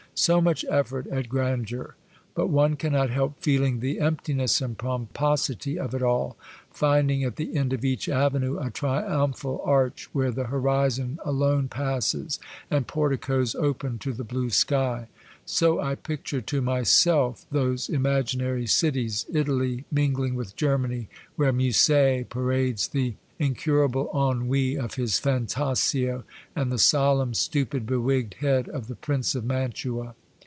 So much effort at grandeur ; but one cannot help feeling the empti ness and pomposity of it all, finding at the end of each avenue a triumphal arch where the horizon alone passes, and porticos open to the blue sky. So I picture to myself those imaginary cities, Italy mingling with Germany, where Musset parades the incurable ennui of his Fantasio and the solemn, stupid, bewigged head of the Prince of Mantua.